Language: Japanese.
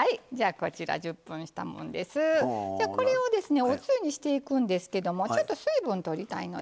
これをおつゆにしていくんですけどもちょっと水分取りたいので。